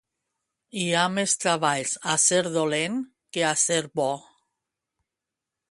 Hi ha més treballs a ser dolent que a ser bo.